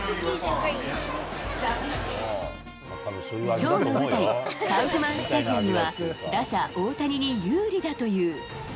きょうの舞台、カウフマンスタジアムは打者、大谷に有利だという。